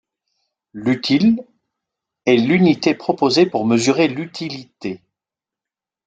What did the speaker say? L'util, est l'unité proposée pour mesurer l'utilité.